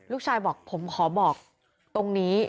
ลูกชายบอกผมขอบอกตรงนี้